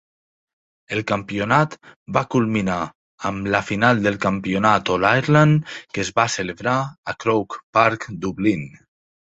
El campionat va culminar amb la final del campionat All-Ireland, que es va celebrar a Croke Park, Dublín.